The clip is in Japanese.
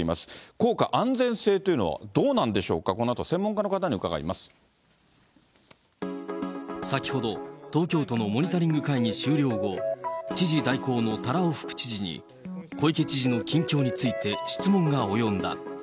効果、安全性というのはどうなんでしょうか、先ほど、東京都のモニタリング会議終了後、知事代行の多羅尾副知事に、小池知事の近況について、質問が及んだ。